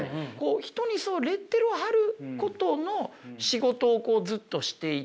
人にそのレッテルを貼ることの仕事をずっとしていて。